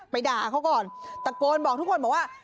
ด่าเขาก่อนตะโกนบอกทุกคนบอกว่า